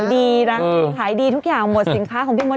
ดีนะขายดีทุกอย่างหมดสินค้าของพี่มด